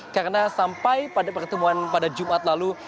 karena sampai pada pertemuan pada jumat lalu